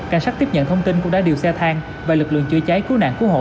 cảnh sát tiếp nhận thông tin cũng đã điều xe thang và lực lượng chữa cháy cứu nạn cứu hộ